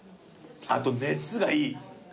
あと熱がいい。